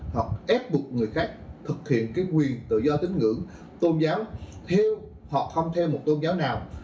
hoặc ép buộc người khác thực hiện cái quyền tự do tín ngưỡng tôn giáo hoặc không theo một tôn giáo nào